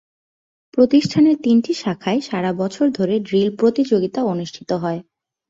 প্রতিষ্ঠানের তিনটি শাখায় সারা বছর ধরে ড্রিল প্রতিযোগিতা অনুষ্ঠিত হয়।